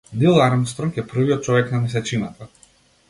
Нил Армстронг е првиот човек на месечината.